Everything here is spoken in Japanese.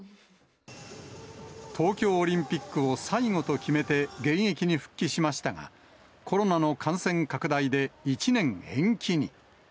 東京オリンピックを最後と決めて、現役に復帰しましたが、コロナの感染拡大で１年延期に。